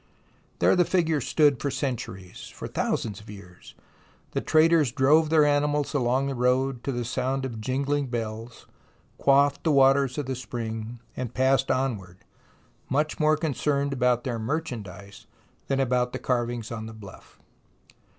There the figures stood for centuries, for thousands of years. The traders drove their animals along the road to the sound of jingling bells, quaffed the waters of the spring, and passed onward, much more concerned about their merchandise than about the carvings on the bluff.